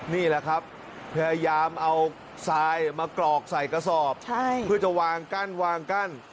นี่แหละครับพยายามเอาทรายมากรอกใส่กระสอบเพื่อจะวางกั้นวางกั้น